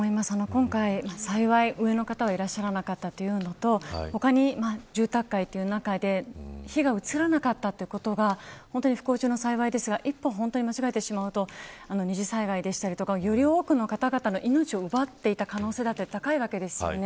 今回、幸い上の方はいらっしゃらなかったというのと他に住宅街という中で火が移らなかったということが本当に不幸中の幸いですが一歩、間違えてしまうと２次災害であったりより多くの方々の命を奪っていた可能性が高いわけですよね。